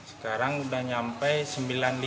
sekarang sudah nyampe sembilan lima ratus